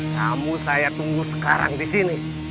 kamu saya tunggu sekarang di sini